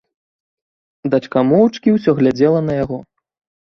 Дачка моўчкі ўсё глядзела на яго.